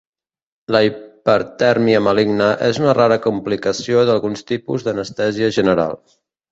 La hipertèrmia maligna és una rara complicació d'alguns tipus d'anestèsia general.